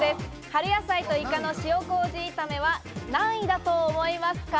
春野菜とイカの塩麹炒めは何位だと思いますか？